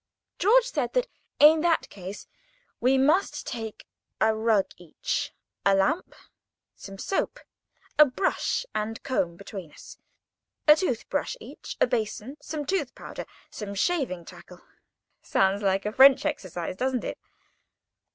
George said that in that case we must take a rug each, a lamp, some soap, a brush and comb (between us), a toothbrush (each), a basin, some tooth powder, some shaving tackle (sounds like a French exercise, doesn't it?)